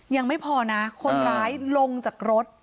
ยังไม่พอนะคนร้ายลงจากรถ